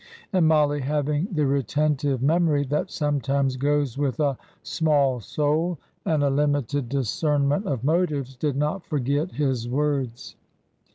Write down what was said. And Mollie, having the retentive memory that sometimes goes with a small soul and a WHEN HEARTS ARE YOUNG 139 limited discernment of motives, did not forget his words.